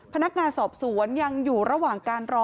พนักงานสอบสวนยังอยู่ระหว่างการรอ